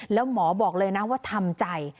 แล้วหมอบอกเลยนะว่าทำใจ